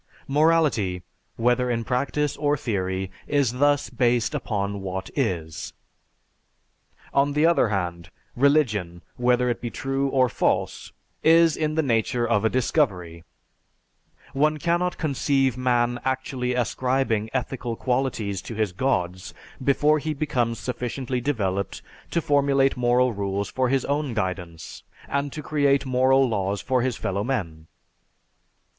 Morality, whether in practice or theory, is thus based upon what is. On the other hand, religion, whether it be true or false, is in the nature of a discovery one cannot conceive man actually ascribing ethical qualities to his Gods before he becomes sufficiently developed to formulate moral rules for his own guidance, and to create moral laws for his fellowmen.